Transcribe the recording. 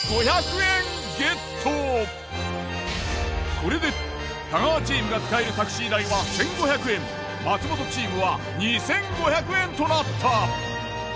これで太川チームが使えるタクシー代は１，５００円松本チームは２，５００円となった。